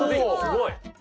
すごい。